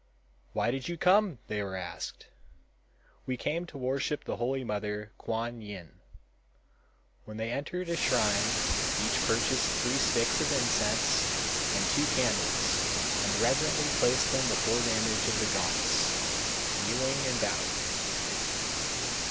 "Why did you come!" they were asked. "We came to worship the holy mother, Kuan Yin." When they entered a shrine each purchased three sticks, of incense and two candles and reverently placed them before the image of the goddess, kneeling and bowing.